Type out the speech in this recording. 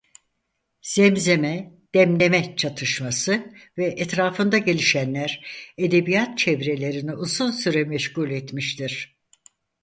Zemzeme-Demdeme çatışması ve etrafında gelişenler edebiyat çevrelerini uzun süre meşgul etmiştir.